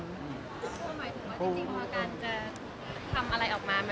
สวัสดีคุณครับสวัสดีคุณครับ